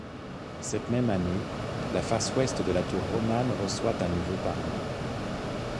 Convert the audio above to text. Cette même année, la face ouest de la tour romane reçoit un nouveau parement.